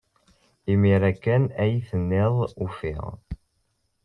Imir-a kan ay ten-id-ufiɣ.